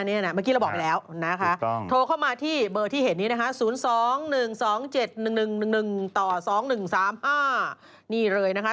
เมื่อกี้เราบอกไปแล้วนะคะโทรเข้ามาที่เบอร์ที่เห็นนี้นะคะ๐๒๑๒๗๑๑๑๑ต่อ๒๑๓๕นี่เลยนะคะ